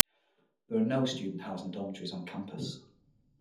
There are no student housing dormitories on campus.